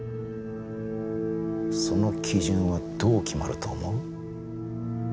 その基準はどう決まると思う？